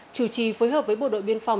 chủ trì phối hợp với bộ đội biên phòng